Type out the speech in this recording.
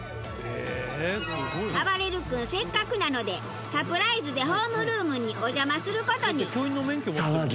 あばれる君せっかくなのでサプライズでホームルームにお邪魔する事に。